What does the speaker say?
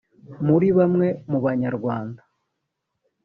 muri bamwe mu banyarwanda